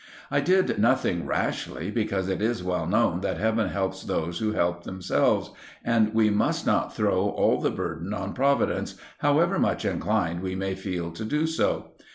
I did nothing rashly, because it is well known that Heaven helps those who help themselves, and we must not throw all the burden on Providence, however much inclined we may feel to do so.